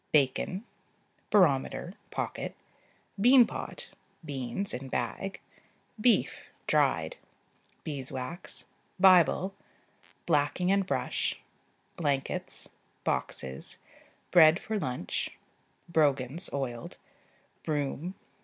Bacon. Barometer (pocket). Bean pot. Beans (in bag). Beef (dried). Beeswax. Bible. Blacking and brush. Blankets. Boxes. Bread for lunch. Brogans (oiled). Broom.